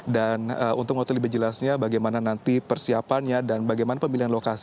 dan untuk mengatakan lebih jelasnya bagaimana nanti persiapannya dan bagaimana pemilihan lokasi